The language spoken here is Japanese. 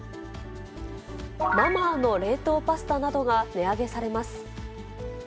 マ・マーの冷凍パスタなどが値上げされます。